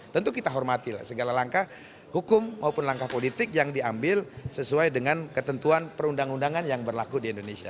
tentu kita hormati segala langkah hukum maupun langkah politik yang diambil sesuai dengan ketentuan perundang undangan yang berlaku di indonesia